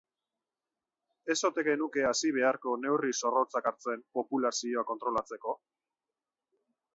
Ez ote genuke hasi beharko neurri zorrotzak hartzen populazioa kontrolatzeko?